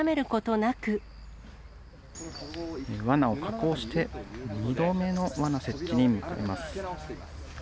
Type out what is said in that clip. わなを加工して、２度目のわな設置に向かいます。